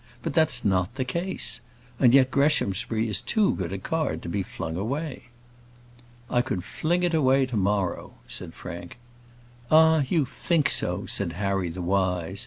But that's not the case; and yet Greshamsbury is too good a card to be flung away." "I could fling it away to morrow," said Frank. "Ah! you think so," said Harry the Wise.